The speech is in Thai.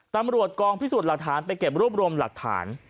ตำรวจกองพิสูจน์หลักฐานไปเก็บรวบรวมหลักฐาน